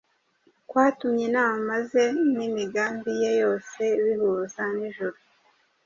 kwatumye inama ze n’imigambi ye yose bihuza n’ijuru.